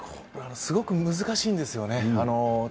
すごい難しいんですよね。